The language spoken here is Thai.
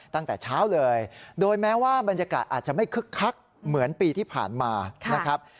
ตั้งแต่เช้าเลยโดยแม้ว่าบรรยากาศอาจจะไม่คึกคักเหมือนปีที่ผ่านมานะครับ